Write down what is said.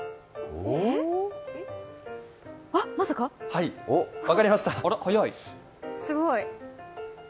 はい、分かりました。